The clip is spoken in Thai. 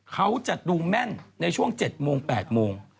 เขาจะดูแม่นในช่วง๗โมง๘โมง